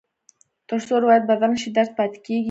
تر څو روایت بدل نه شي، درد پاتې کېږي.